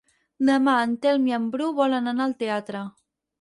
Demà en Telm i en Bru volen anar al teatre.